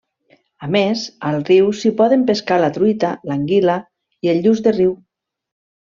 A més, al riu s'hi poden pescar la truita, l'anguila i el lluç de riu.